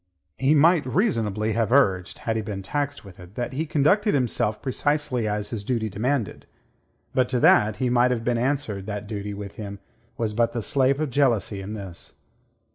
He might reasonably have urged had he been taxed with it that he conducted himself precisely as his duty demanded. But to that he might have been answered that duty with him was but the slave of jealousy in this.